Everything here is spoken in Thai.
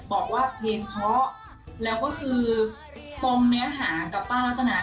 บอกว่าเพลงเพราะแล้วก็คือตรงเนื้อหากับป้ารัตนา